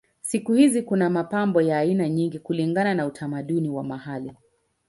Siku hizi kuna mapambo ya aina nyingi kulingana na utamaduni wa mahali.